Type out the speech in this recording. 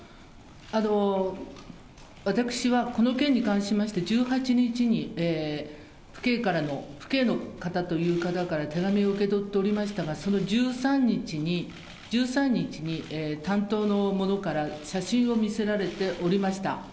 私はこの件に関しまして、１８日に父兄の方という方から手紙を受け取っておりましたが、１３日に担当の者から写真を見せられておりました。